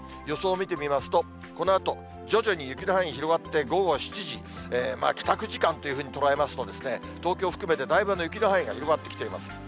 予想を見てみますと、このあと徐々に雪の範囲が広がって、午後７時、帰宅時間というふうに捉えますと、東京を含めてだいぶ雪の範囲が広がってきています。